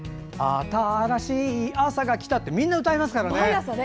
新しい朝が来たーってみんな歌いますからね。